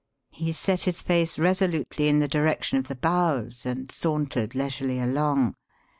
He set his face resolutely in the direction of the bows and sauntered leisurely along.